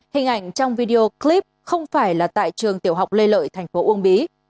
hình ảnh trong video clip không phải là tại trường tiểu học lê lợi thành phố uông bí